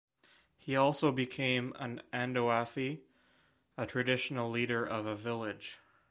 He also became an "ondoafi", a traditional leader of a village.